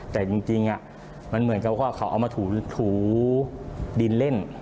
แต่จริงมันเหมือนกับว่าเขาเอามาถูดินเล่น